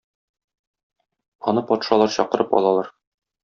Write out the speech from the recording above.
Аны патшалар чакырып алалар.